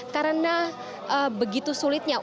karena begitu sulitnya